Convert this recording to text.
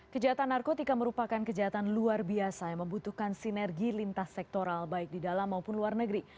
kejahatan narkotika merupakan kejahatan luar biasa yang membutuhkan sinergi lintas sektoral baik di dalam maupun luar negeri